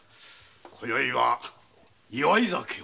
今宵は祝い酒を。